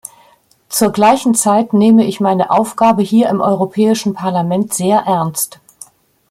Zur gleichen Zeit nehme ich meine Aufgabe hier im Europäischen Parlament sehr ernst.